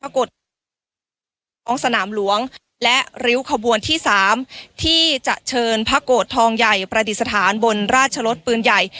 ท้องสนามหลวงและริ้วขบวนที่๓ที่จะเชิญพระโกรธทองใหญ่ประดิษฐานบนราชรสปืนใหญ่